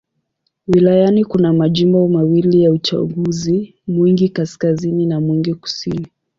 Wilayani kuna majimbo mawili ya uchaguzi: Mwingi Kaskazini na Mwingi Kusini.